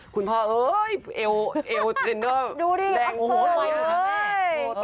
คุณพ่อเอ้ยเอวเทรนเนอร์แดงโอ้โหทำไมถึงคะแม่